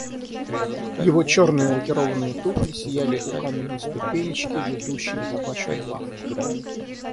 Его чёрные лакированные туфли сияли у каменной ступенечки, ведущей в табачную лавку.